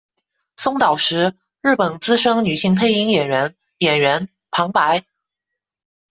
松岛实，日本资深女性配音员、演员、旁白。